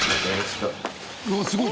うわっすごい。